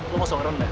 lu mau seorang nggak